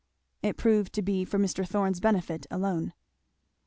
It proved to be for Mr. Thorn's benefit alone.